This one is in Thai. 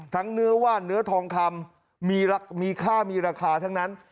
เนื้อว่านเนื้อทองคำมีค่ามีราคาทั้งนั้น